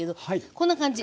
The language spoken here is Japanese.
こんな感じ。